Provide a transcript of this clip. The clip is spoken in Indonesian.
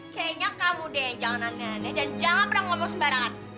kayaknya kamu deh jangan aneh aneh dan jangan pernah ngomong sembarangan